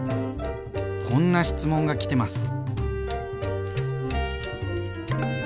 こんな質問がきてます。